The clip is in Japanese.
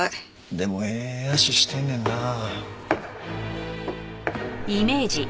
でもええ脚してんねんなあ。